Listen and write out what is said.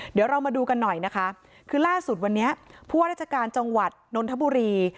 เดี๋ยวเรามาดูกันหน่อยนะคะคือล่าสุดวันนี้ผู้ว่าราชการจังหวัดนนทบุรี